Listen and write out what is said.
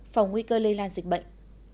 phòng nguy cơ lây lan dịch bệnh